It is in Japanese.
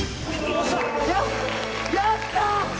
やった！